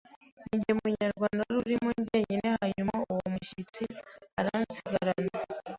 ninjye munyarwanda wari urimo njyenyine hanyuma uwo mushyitsi aransigarana